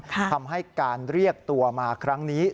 ทำให้การเรียกตัวมาครั้งนี้